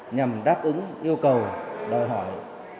nhằm đáp ứng yêu cầu đòi hỏi